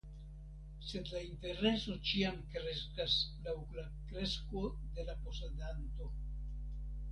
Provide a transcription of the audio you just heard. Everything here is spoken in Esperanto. Sed la intereso ĉiam kreskas laŭ la kresko de la posedanto.